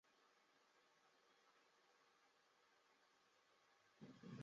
在此书中尼采的经验主义及怀疑主义达到最高峰。